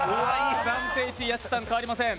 暫定１位、屋敷さん、変わりません。